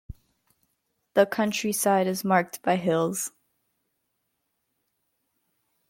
The countryside is marked by hills.